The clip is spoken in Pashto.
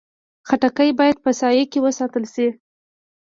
خټکی باید په سایه کې وساتل شي.